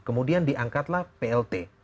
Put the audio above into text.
kemudian diangkatlah plt